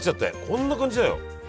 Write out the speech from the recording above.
こんな感じだよ。